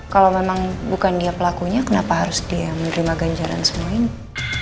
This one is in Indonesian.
kalau memang bukan dia pelakunya kenapa harus dia menerima ganjaran semua ini